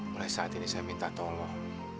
mulai saat ini saya minta tolong